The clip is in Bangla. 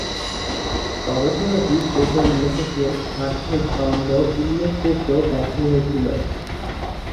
গবেষণাটি প্রথম লেখকের স্বার্থের দ্বন্দ্ব উল্লেখ করতেও ব্যর্থ হয়েছিল।